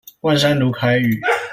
萬山魯凱語